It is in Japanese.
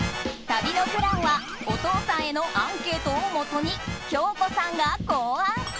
旅のプランはお父さんへのアンケートをもとに京子さんが考案。